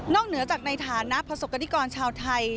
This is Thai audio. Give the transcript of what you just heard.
เหนือจากในฐานะประสบกรณิกรชาวไทย